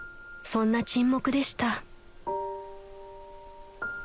［そんな沈黙でした］